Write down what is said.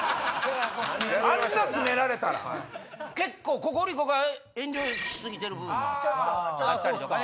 結構ココリコが遠慮し過ぎてる部分もあったり。